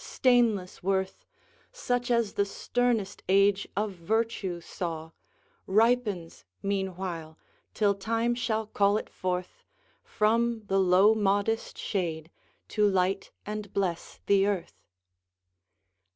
Stainless worth, Such as the sternest age of virtue saw, Ripens, meanwhile, till time shall call it forth From the low modest shade, to light and bless the earth.